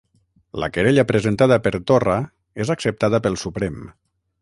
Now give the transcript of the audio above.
La querella presentada per Torra és acceptada pel Suprem